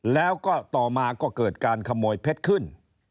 แล้วก็ต่อมาก็เกิดการขโมยเพชรขึ้น